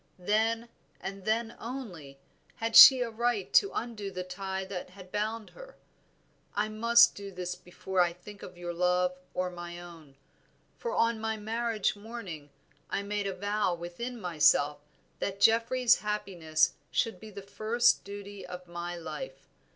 Then, and then only, had she a right to undo the tie that had bound her. I must do this before I think of your love or my own, for on my marriage morning I made a vow within myself that Geoffrey's happiness should be the first duty of my life.